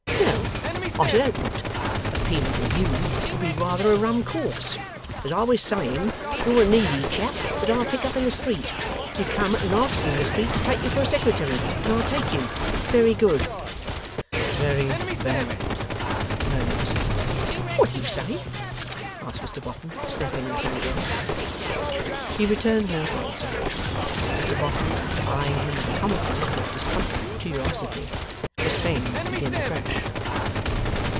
'No, I should hope not! Appealing to YOU, would be rather a rum course. As I was saying, you're a needy chap that I pick up in the street. You come and ask me in the street to take you for a Secretary, and I take you. Very good.' 'Very bad,' murmured the Secretary. 'What do you say?' asked Mr Boffin, snapping at him again. He returned no answer. Mr Boffin, after eyeing him with a comical look of discomfited curiosity, was fain to begin afresh.